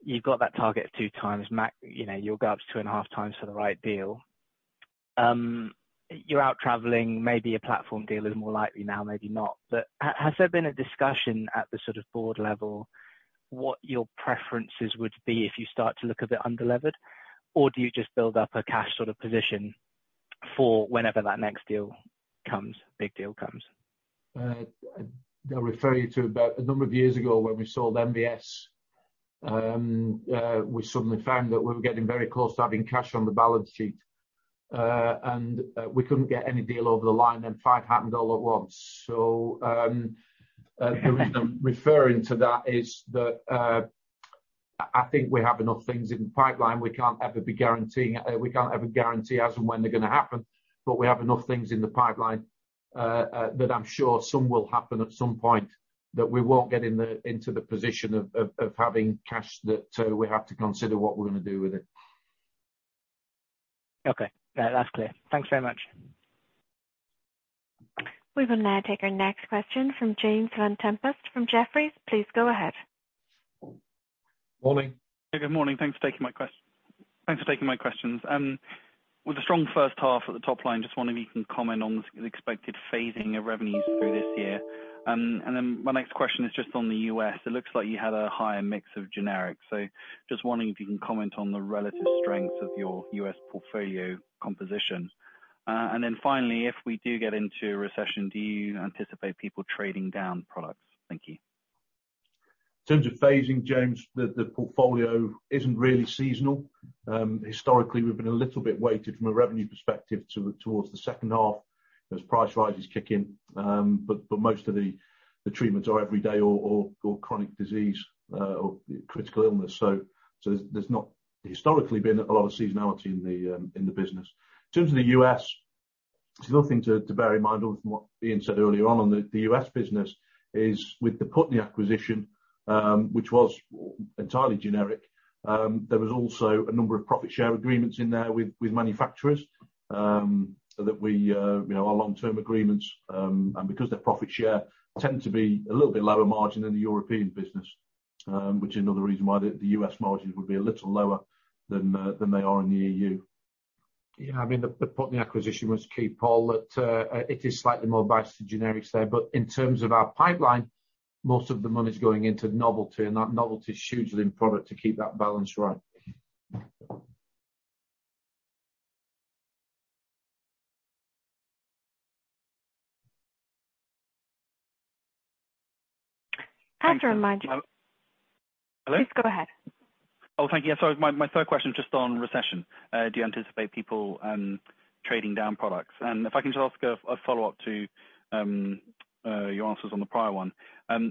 You've got that target of 2x max. You know, you'll go up to 2.5x for the right deal. You're out traveling, maybe a platform deal is more likely now, maybe not. Has there been a discussion at the sort of board level, what your preferences would be if you start to look a bit under-levered? Or do you just build up a cash sort of position for whenever that next big deal comes? I'll refer you to about a number of years ago when we sold NVS. We suddenly found that we were getting very close to having cash on the balance sheet, and we couldn't get any deal over the line, and five happened all at once. The reason I'm referring to that is that I think we have enough things in the pipeline. We can't ever guarantee as and when they're going to happen, but we have enough things in the pipeline that I'm sure some will happen at some point, that we won't get into the position of having cash that we have to consider what we're going to do with it. Okay. Yeah, that's clear. Thanks very much. We will now take our next question from James Vane-Tempest from Jefferies. Please go ahead. Morning. Good morning. Thanks for taking my questions. With a strong H1 at the top line, just wondering if you can comment on the expected phasing of revenues through this year. My next question is just on the U.S. It looks like you had a higher mix of generics. Just wondering if you can comment on the relative strengths of your U.S. portfolio composition. Finally, if we do get into a recession, do you anticipate people trading down products? Thank you. In terms of phasing, James, the portfolio isn't really seasonal. Historically, we've been a little bit weighted from a revenue perspective towards the H2. Those price rises kick in, but most of the treatments are every day or chronic disease or critical illness. There's not historically been a lot of seasonality in the business. In terms of the U.S., there's another thing to bear in mind apart from what Ian said earlier on the U.S. business is with the Putney acquisition, which was entirely generic. There was also a number of profit share agreements in there with manufacturers, so that we, you know, our long-term agreements, and because they're profit share, tend to be a little bit lower margin than the European business, which is another reason why the U.S. margins would be a little lower than they are in the EU. Yeah. I mean, the Putney acquisition was key, Paul. That, it is slightly more biased to generics there. In terms of our pipeline, most of the money's going into novelty, and that novelty is hugely in product to keep that balance right. I'd like to remind you. Hello? Please go ahead. Thank you. Yeah, sorry. My third question is just on recession. Do you anticipate people trading down products? If I can just ask a follow-up to your answers on the prior one.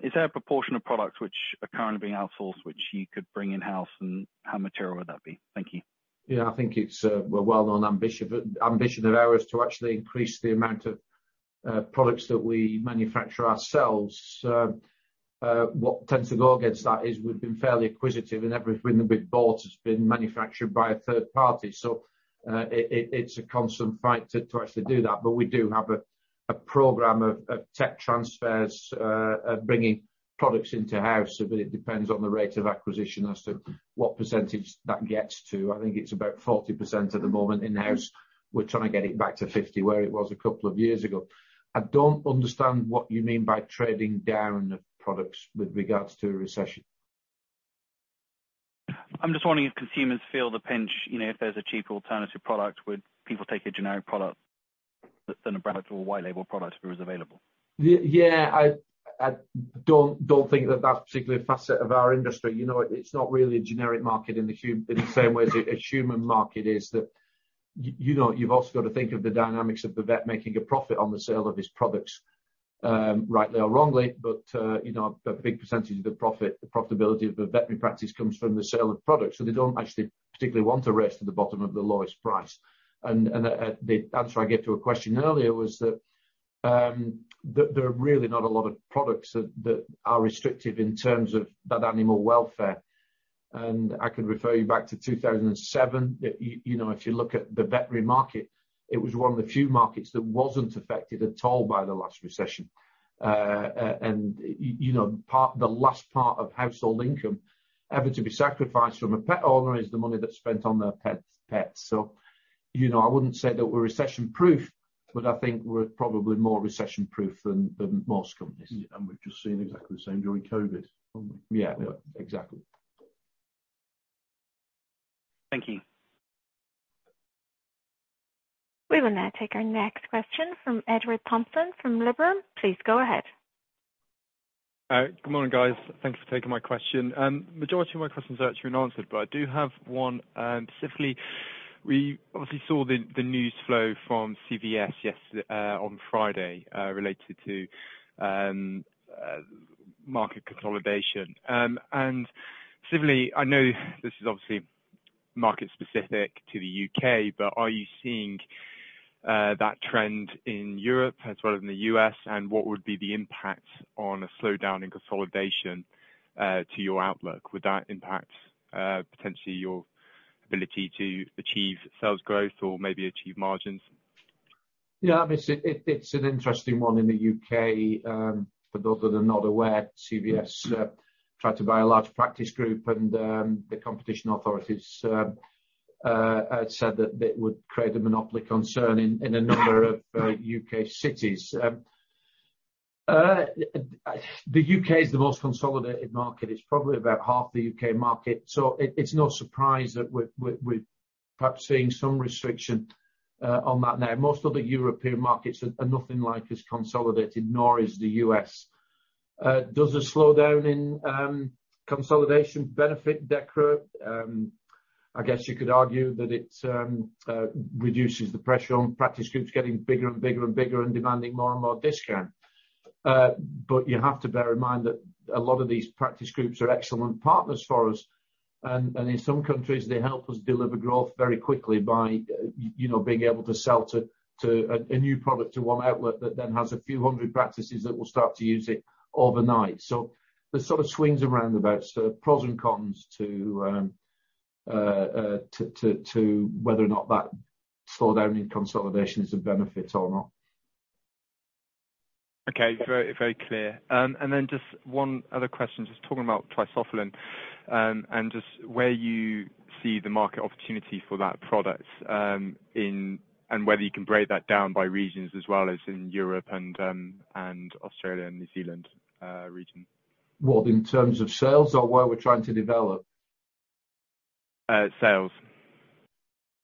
Is there a proportion of products which are currently being outsourced, which you could bring in-house, and how material would that be? Thank you. Yeah. I think it's our well-known ambition of ours to actually increase the amount of products that we manufacture ourselves. What tends to go against that is we've been fairly acquisitive, and everything that we've bought has been manufactured by a third party. It's a constant fight to actually do that. But we do have a program of tech transfers bringing products in-house, but it depends on the rate of acquisition as to what percentage that gets to. I think it's about 40% at the moment in-house. We're trying to get it back to 50% where it was a couple of years ago. I don't understand what you mean by trading down of products with regards to a recession. I'm just wondering if consumers feel the pinch. You know, if there's a cheaper alternative product, would people take a generic product than a brand or white label product if it was available? Yeah. I don't think that that's particularly a facet of our industry. You know, it's not really a generic market in the same way as a human market is that you know, you've also got to think of the dynamics of the vet making a profit on the sale of his products, rightly or wrongly. You know, a big percentage of the profitability of the veterinary practice comes from the sale of products. They don't actually particularly want to race to the bottom of the lowest price. The answer I gave to a question earlier was that there are really not a lot of products that are restrictive in terms of that animal welfare. I could refer you back to 2007. You know, if you look at the veterinary market, it was one of the few markets that wasn't affected at all by the last recession. You know, the last part of household income ever to be sacrificed from a pet owner is the money that's spent on their pets. You know, I wouldn't say that we're recession-proof, but I think we're probably more recession-proof than most companies. We've just seen exactly the same during COVID, haven't we? Yeah. Yeah. Exactly. Thank you. We will now take our next question from Edward Thomason from Liberum. Please go ahead. Good morning, guys. Thank you for taking my question. Majority of my questions actually have been answered, but I do have one, specifically. We obviously saw the news flow from CVS yesterday, on Friday, related to market consolidation. Specifically, I know this is obviously market specific to the U.K., but are you seeing that trend in Europe as well as in the U.S., and what would be the impact on a slowdown in consolidation to your outlook? Would that impact potentially your ability to achieve sales growth or maybe achieve margins? Yeah. Obviously it's an interesting one in the U.K. For those that are not aware, CVS tried to buy a large practice group and the competition authorities said that that would create a monopoly concern in a number of U.K. cities. The U.K. is the most consolidated market. It's probably about half the U.K. market. So it's no surprise that we're perhaps seeing some restriction on that now. Most of the European markets are nothing like as consolidated, nor is the U.S. Does a slowdown in consolidation benefit Dechra? I guess you could argue that it reduces the pressure on practice groups getting bigger and bigger and bigger and demanding more and more discount. You have to bear in mind that a lot of these practice groups are excellent partners for us. In some countries, they help us deliver growth very quickly by, you know, being able to sell a new product to one outlet that then has a few hundred practices that will start to use it overnight. There's sort of swings and roundabouts, pros and cons to whether or not that slowdown in consolidation is a benefit or not. Okay. Very, very clear. Just one other question, just talking about Tri-Solfen, and just where you see the market opportunity for that product, and whether you can break that down by regions as well as in Europe and Australia and New Zealand region. What, in terms of sales or where we're trying to develop? sales.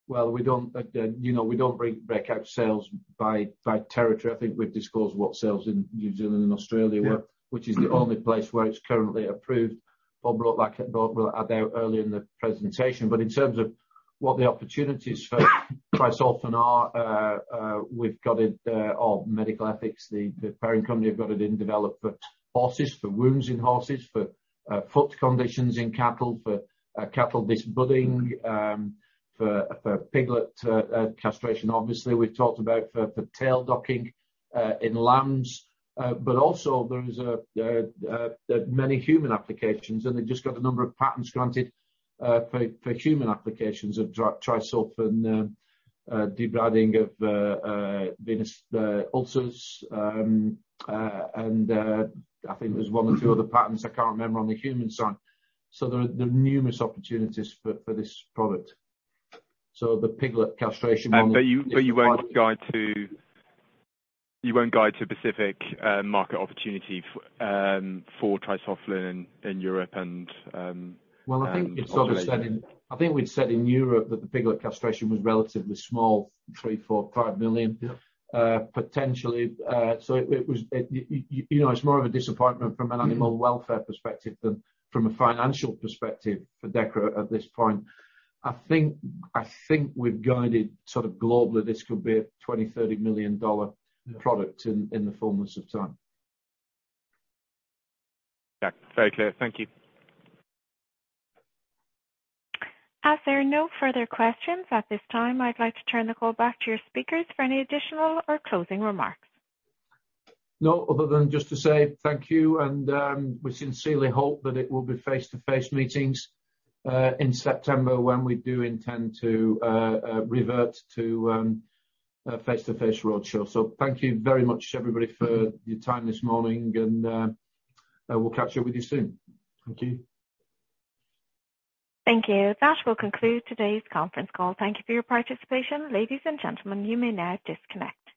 Well, you know, we don't break out sales by territory. I think we've disclosed what sales in New Zealand and Australia were. Yeah. which is the only place where it's currently approved. Paul brought that up, Paul brought that out earlier in the presentation. In terms of what the opportunities for Tri-Solfen are, we've got it, or Medical Ethics, the parent company have got it in development for horses, for wounds in horses, for foot conditions in cattle, for cattle disbudding, for piglet castration. Obviously, we've talked about tail docking in lambs, but also there are many human applications, and they've just got a number of patents granted for human applications of Tri-Solfen, debriding of venous ulcers. I think there's one or two other patents I can't remember on the human side. There are numerous opportunities for this product. The piglet castration one. You won't guide to a specific market opportunity for Tri-Solfen in Europe and. Well, I think we'd said in Europe that the piglet castration was relatively small, 3 million, 4 million, 5 million. Yeah. Potentially, it was, you know, it's more of a disappointment from an animal welfare perspective than from a financial perspective for Dechra at this point. I think we've guided sort of globally this could be a $20 million-$30 million product. Yeah. In the fullness of time. Yeah. Very clear. Thank you. As there are no further questions at this time, I'd like to turn the call back to your speakers for any additional or closing remarks. No, other than just to say thank you, and we sincerely hope that it will be face-to-face meetings in September when we do intend to revert to a face-to-face roadshow. Thank you very much, everybody, for your time this morning and we'll catch up with you soon. Thank you. Thank you. That will conclude today's conference call. Thank you for your participation. Ladies and gentlemen, you may now disconnect.